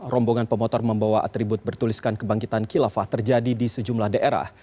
rombongan pemotor membawa atribut bertuliskan kebangkitan kilafah terjadi di sejumlah daerah